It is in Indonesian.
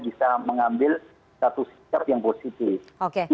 bisa mengambil satu sikap yang positif